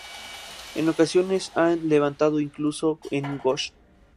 En ocasiones han levantado incluso un Ghost.